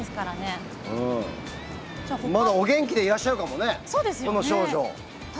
まだお元気でいらっしゃるかもねこの少女。